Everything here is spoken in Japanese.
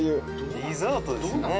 リゾートですね。